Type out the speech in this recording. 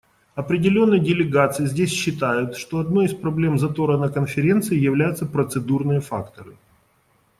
Определенные делегации здесь считают, что одной из проблем затора на Конференции являются процедурные факторы.